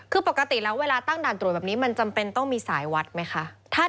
คือปกติแล้วเวลาตั้งด่านตรวจแบบนี้มันจำเป็นต้องมีสายวัดไหมคะ